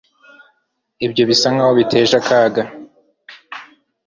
ibyo bisa nkaho biteje akaga